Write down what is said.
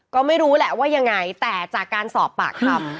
ก็ไม่รู้แหละว่ายังไงแต่จากการสอบปากคำ